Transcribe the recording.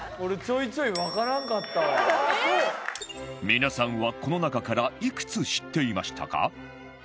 皆さんはこの中からいくつ知っていましたか？